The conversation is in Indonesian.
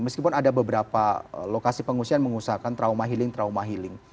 meskipun ada beberapa lokasi pengungsian mengusahakan trauma healing trauma healing